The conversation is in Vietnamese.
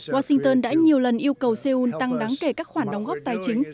washington đã nhiều lần yêu cầu seoul tăng đáng kể các khoản đóng góp tài chính